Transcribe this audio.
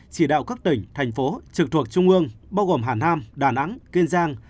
chỉ đạo các tỉnh thành phố trực thuộc trung ương bao gồm hà nam đà nẵng kiên giang